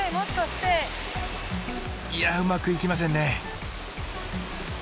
いやうまくいきませんね。